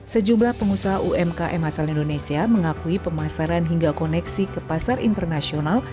sejumlah pengusaha umkm asal indonesia mengakui pemasaran hingga koneksi ke pasar internasional